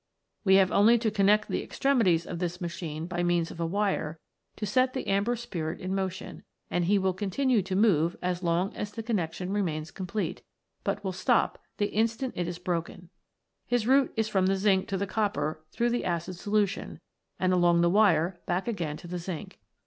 We have only to connect the extremi ties of this machine by means of a wire to set the Amber Spirit in motion, and he will continue to move as long as the connexion remains complete, but will stop the instant it is broken. His route is from the zinc to the copper through the acid solu tion, and along the wire back again to the zinc.